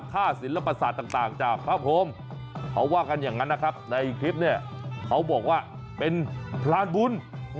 ศิลปศาสตร์ต่างจากพระพรมเขาว่ากันอย่างนั้นนะครับในคลิปเนี่ยเขาบอกว่าเป็นพรานบุญ